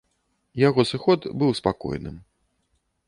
Яго сыход быў спакойным.